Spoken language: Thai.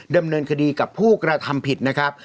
ดำเนินคดีกับผู้กระทำผิดนะครับ